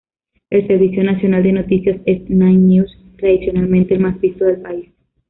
El servicio nacional de noticias es "Nine News", tradicionalmente el más visto del país.